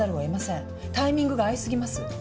タイミングが合いすぎます。